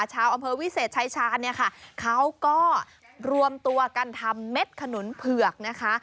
ชาวอำเภอวิเศษชายชาเนี่ยค่ะเขาก็รวมตัวกันทำเม็ดขนุนเผือกนะคะ